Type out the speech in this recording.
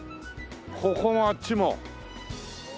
ここもあっちも。